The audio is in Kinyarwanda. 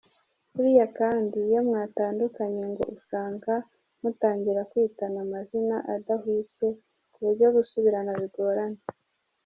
Buriya kandi iyo mwatandukanye ngo usanga mutangira kwitana amazina adahwitse kuburyo gusubirana bigorana.